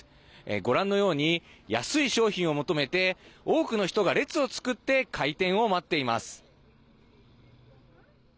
ご覧のように、安い商品を求めて多くの人が列を作って開店を待っています。